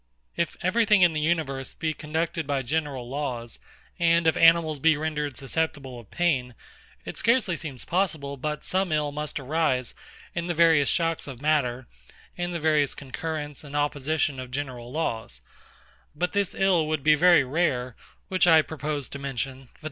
If every thing in the universe be conducted by general laws, and if animals be rendered susceptible of pain, it scarcely seems possible but some ill must arise in the various shocks of matter, and the various concurrence and opposition of general laws; but this ill would be very rare, were it not for the third circumstance, which I proposed to mention, viz.